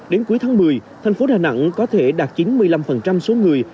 đến cuối tháng một mươi thành phố đà nẵng có thể đạt chín mươi năm số người